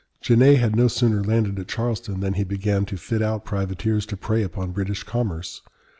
Genet had no sooner landed at Charleston than he began to fit out privateers to prey upon British commerce.